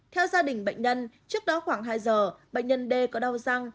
theo gia đình bệnh nhân trước đó khoảng hai giờ bệnh nhân d có đau răng